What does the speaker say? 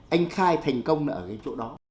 anh khai thành công ở cái chỗ đó